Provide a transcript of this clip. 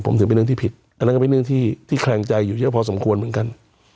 ผมถือเป็นเรื่องที่ผิดอันนั้นก็เป็นเรื่องที่แขลงใจอยู่เยอะพอสมควรเหมือนกัน